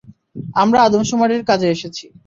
আমরা আদমশুমারির কাজে এসেছি।